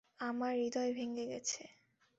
আমার হৃদয় ভেঙ্গে গেছে।